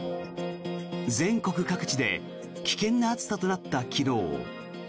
全国各地で危険な暑さとなった昨日。